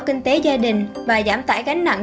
kinh tế gia đình và giảm tải gánh nặng